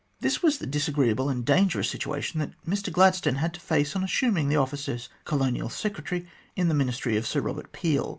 This was the disagreeable and dangerous situation that Mr Gladstone had to face on assuming office as Colonial Secretary in the Ministry of Sir Eobert Peel.